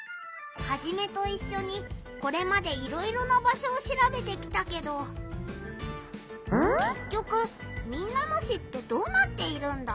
ハジメといっしょにこれまでいろいろな場所をしらべてきたけどけっきょく民奈野市ってどうなっているんだ？